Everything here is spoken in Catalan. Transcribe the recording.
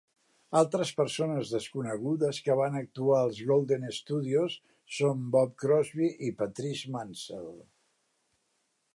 Altres persones desconegudes que van actuar als Golden Studios són Bob Crosby i Patrice Munsel.